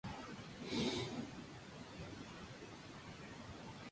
Realizó una campaña bastante buena, llegando a ser el Trofeo Zamora de la competición.